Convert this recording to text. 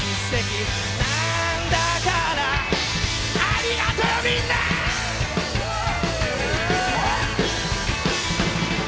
ありがとよ、みんなー！